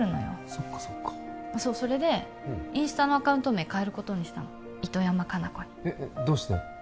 そっかそっかそれでインスタのアカウント名変えることにしたの糸山果奈子にえっえっどうして？